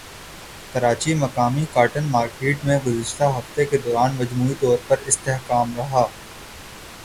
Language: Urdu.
کراچیمقامی کاٹن مارکیٹ میں گزشتہ ہفتے کے دوران مجموعی طور پر استحکام رہا